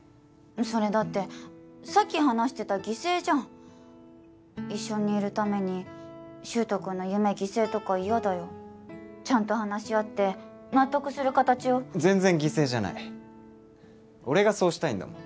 それだってさっき話してた犠牲じゃん一緒にいるために柊人君の夢犠牲とか嫌だよちゃんと話し合って納得する形を全然犠牲じゃない俺がそうしたいんだもん